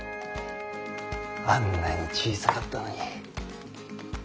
あんなに小さかったのに。